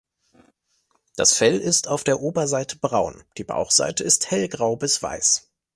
Das Fell ist auf der Oberseite braun, die Bauchseite ist hellgrau bis weiß.